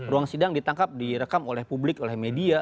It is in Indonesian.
ruang sidang ditangkap direkam oleh publik oleh media